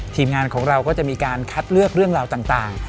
ทีมงานของเราก็จะมีการคัดเลือกเรื่องราวต่าง